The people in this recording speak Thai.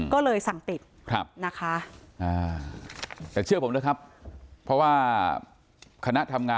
ก็เลยสั่งปิดนะคะ